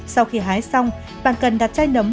sau khi hái xong bạn cần đặt chai nấm